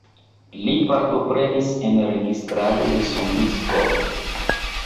Li partoprenis en registrado de sondiskoj.